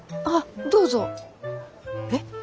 あっどうぞえっ？